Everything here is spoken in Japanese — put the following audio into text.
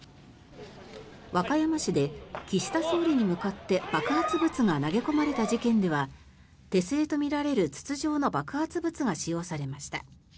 和歌山市で岸田総理に向かって爆発物が投げ込まれた事件では手製とみられる筒状の爆発物が使用されました。